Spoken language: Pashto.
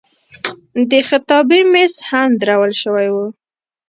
د خطابې میز هم درول شوی و.